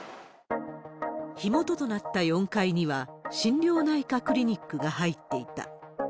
火元となった４階には、心療内科クリニックが入っていた。